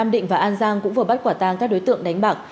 nam định và an giang cũng vừa bắt quả tang các đối tượng đánh bạc